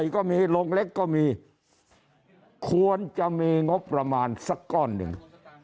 ควรจะมีงบประมาณสักก้อนหนึ่ง